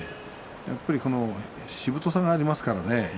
やっぱり、しぶとさがありますからね。